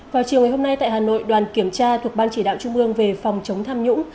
vào chiều ngày hôm nay tại hà nội đoàn kiểm tra thuộc ban chỉ đạo trung ương về phòng chống tham nhũng